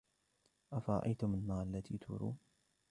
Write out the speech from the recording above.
أَفَرَأَيْتُمُ النَّارَ الَّتِي تُورُونَ